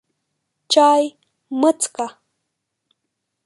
چای مه څښه!